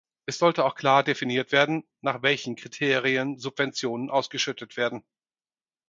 Es sollte auch klar definiert werden, nach welchen Kriterien Subventionen ausgeschüttet werden.